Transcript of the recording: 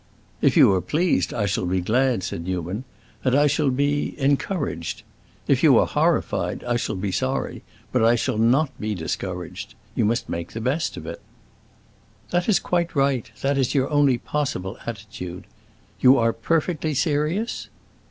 "If you are pleased, I shall be glad," said Newman, "and I shall be—encouraged. If you are horrified, I shall be sorry, but I shall not be discouraged. You must make the best of it." "That is quite right—that is your only possible attitude. You are perfectly serious?"